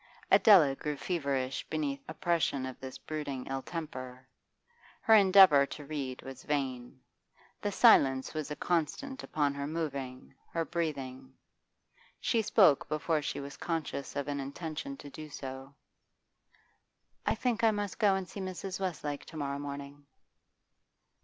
Adela grew feverish beneath the oppression of this brooding ill temper; her endeavour to read was vain; the silence was a constraint upon her moving, her breathing. She spoke before she was conscious of an intention to do so. 'I think I must go and see Mrs. Westlake to morrow morning.